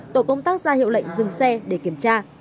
tổ công tác ra hiệu lệnh dừng xe để kiểm tra